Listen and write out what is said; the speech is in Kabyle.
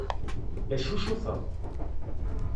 La ccucufeɣ.